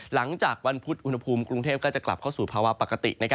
หลังจากวันพุธอุณหภูมิกรุงเทพก็จะกลับเข้าสู่ภาวะปกติ